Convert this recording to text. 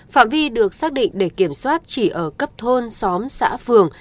phạm vi được xác định để kiểm soát chỉ ở cấp thôn xóm xã phường